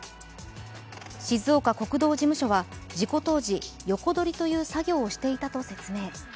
静岡国道事務所は事故当時、横取りという作業をしていたと説明。